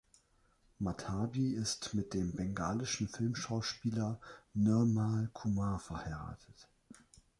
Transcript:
Madhabi ist mit dem bengalischen Filmschauspieler Nirmal Kumar verheiratet.